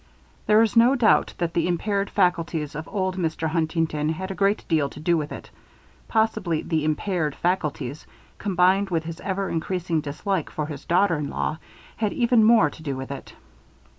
There is no doubt that the impaired faculties of old Mr. Huntington had a great deal to do with it. Possibly the "impaired faculties" combined with his ever increasing dislike for his daughter in law had even more to do with it.